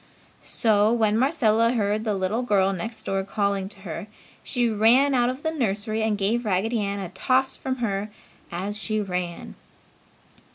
So, when Marcella heard the little girl next door calling to her, she ran out of the nursery and gave Raggedy Ann a toss from her as she ran.